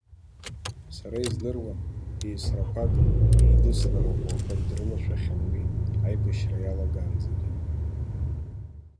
Сара издыруан, еисрақәак, еидыслара ӷәӷәақәак дрылашәахьан уи, аибашьра иалагаанӡагьы.